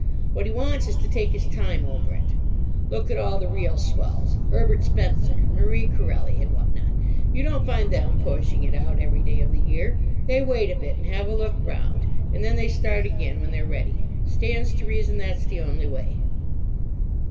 What he wants is to take his time over it. Look at all the real swells—'Erbert Spencer, Marie Corelli, and what not—you don't find them pushing it out every day of the year. They wait a bit and have a look round, and then they start again when they're ready. Stands to reason that's the only way."